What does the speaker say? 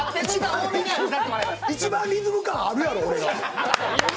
一番リズム感あるやろ、俺が。